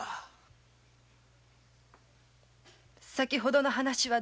さきほどの話は？